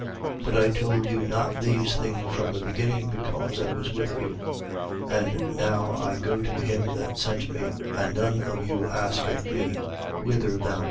16:5. But I told you not these things from the beginning, because I was with you. And now I go to him that sent me, and none of you asketh me: Whither goest thou?